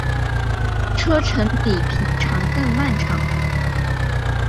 车程比平常更漫长